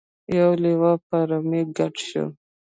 یو لیوه په رمې ګډ شو.